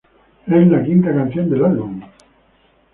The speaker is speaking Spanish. Es la quinta canción del álbum.